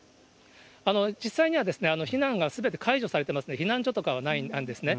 実際には、避難がすべて解除されてますので、避難所とかはないんですね。